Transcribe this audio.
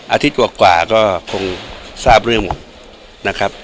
อาทิตย์กว่าก็คงทราบเรื่องหมดนะครับ